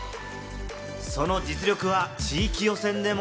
その実力は地域予選でも。